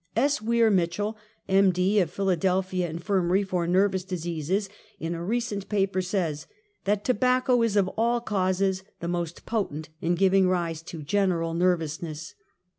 S. Weir Mitchell, M. D.. of the Philadelphia In firmary for I^ervous Diseases, in a recent paper, says /that "tobacco is of all causes the most potent in giv ving rise to general nervousness."